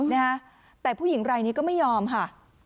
นะฮะแต่ผู้หญิงรายนี้ก็ไม่ยอมค่ะ